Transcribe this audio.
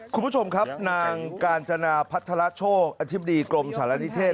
คุณผู้ชมครับนางกาญจนาพัทรโชคอธิบดีกรมสารณิเทศ